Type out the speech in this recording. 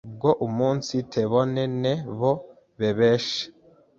bwo umunsitebone ne bo bebeshe